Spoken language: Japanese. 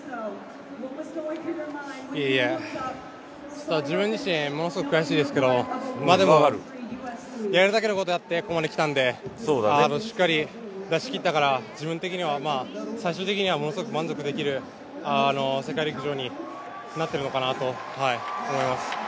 いえいえ、自分自身ものすごく悔しいですけど、やるだけのことやってここまできたんで、しっかり出し切ったから自分的には、最終的にはものすごく満足できる世界陸上になってるのかなと思います。